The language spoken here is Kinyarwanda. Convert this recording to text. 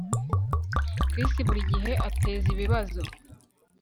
Chris buri gihe ateza ibibazo